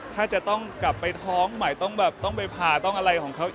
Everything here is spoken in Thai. ถ้าจะต้องกลับไปท้องหมายถึงต้องไปพาต้องอะไรของเขา